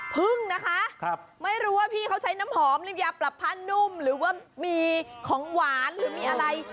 พึ่งนะคะไม่รู้ว่าพี่เขาใช้น้ำหอมน้ำยาปรับผ้านุ่มหรือว่ามีของหวานหรือมีอะไร